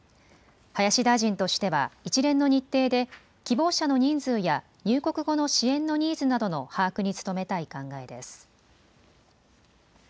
林大臣としては一連の日程で希望者の人数や入国後の支援のニーズなどの把握に努めたい考えです。